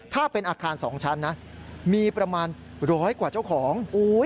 ถ้าเป็นอาคาร๒ชั้นนะมีประมาณร้อยกว่าเจ้าของ